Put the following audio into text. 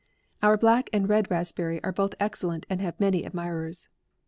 Our black and red raspberry are both ex cellent, and have many admirers.